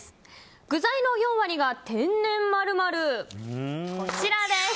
具材の４割が天然○○こちらです。